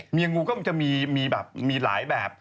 เมียงูก็จะมีหลายแบบ